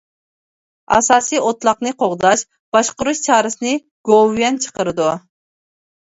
ئاساسىي ئوتلاقنى قوغداش، باشقۇرۇش چارىسىنى گوۋۇيۈەن چىقىرىدۇ.